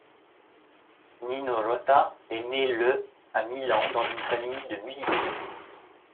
Nino Rota est né le à Milan, dans une famille de musiciens.